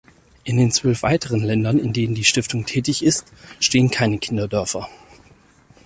In den zwölf weiteren Ländern, in denen die Stiftung tätig ist, stehen keine Kinderdörfer.